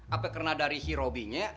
apa karena dari si robi nya